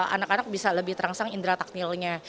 anak anak bisa lebih terangsang indera takdilnya